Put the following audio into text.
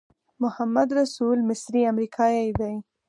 محمدرسول مصری امریکایی دی.